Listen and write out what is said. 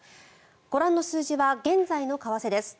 ご覧の数字は現在の為替です。